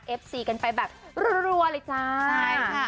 ซีกันไปแบบรัวเลยจ้าใช่ค่ะ